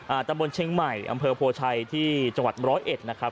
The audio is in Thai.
ตำบลเชียงใหม่อำเภอโพชัยที่จังหวัดร้อยเอ็ดนะครับ